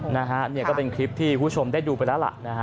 นะฮะเนี่ยก็เป็นคลิปที่คุณผู้ชมได้ดูไปแล้วล่ะนะฮะ